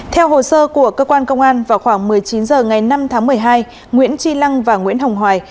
theo hồ sơ của cơ quan công an vào khoảng một mươi chín h ngày năm tháng một mươi hai nguyễn tri lăng và nguyễn hồng hoài